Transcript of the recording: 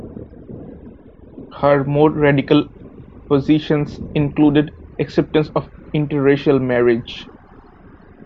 Her more radical positions included acceptance of interracial marriage.